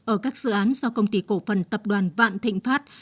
ở các dự án do công ty cổ phần tập đoàn vạn thịnh pháp